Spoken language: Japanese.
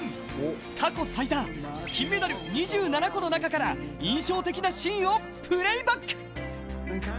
過去最多、金メダル２７個の中から印象的なシーンをプレーバック！